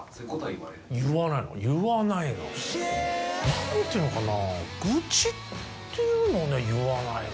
何ていうのかな。